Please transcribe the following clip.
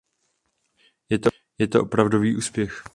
Je to opravdový úspěch.